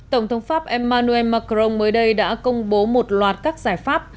tổng thống pháp emmanuel macron mới đây đã công bố một loạt các giải pháp